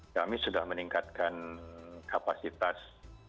kami sudah meningkatkan kapasitas